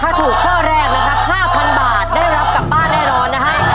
ถ้าถูกข้อแรกนะครับ๕๐๐๐บาทได้รับกลับบ้านแน่นอนนะฮะ